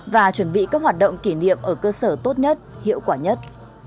và chuẩn bị các hoạt động kỷ niệm ở cơ sở tốt nhất hiệu quả nhất